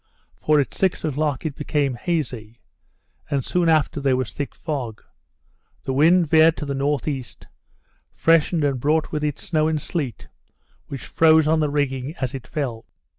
For at six o'clock it became hazy, and soon after there was thick fog; the wind veered to the N.E., freshened and brought with it snow and sleet, which froze on the rigging as it fell.